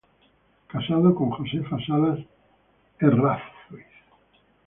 Casado con "Josefa Salas Errázuriz".